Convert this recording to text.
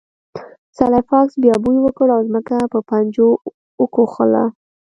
سلای فاکس بیا بوی وکړ او ځمکه یې په پنجو وښکوله